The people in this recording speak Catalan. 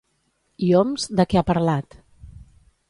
I Homs, de què ha parlat?